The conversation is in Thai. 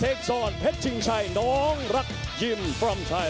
เอาไปให้เพชรจิงไชน้องรักยิ่มจากไทย